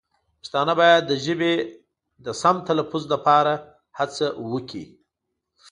پښتانه باید د ژبې د سمې تلفظ لپاره هڅه وکړي.